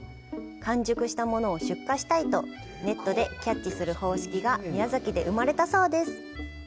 完熟したものを出荷したいと、ネットでキャッチする方式が宮崎で生まれたそうです。